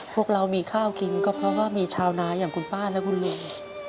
พวกเรามีข้าวกินก็เพราะว่ามีชาวนาอย่างคุณป้าและคุณลุง